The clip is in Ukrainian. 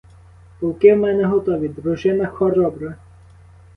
Полки в мене готові, дружина хоробра.